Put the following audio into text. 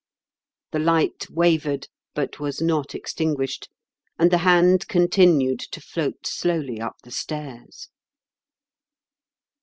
The light wavered, but was not ex tinguished, and the hand continued to float slowly up the stairs.